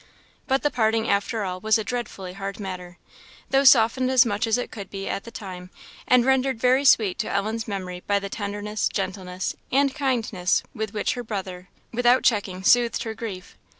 But the parting, after all, was a dreadfully hard matter; though softened as much as it could be at the time, and rendered very sweet to Ellen's memory by the tenderness, gentleness, and kindness with which her brother, without checking, soothed her grief.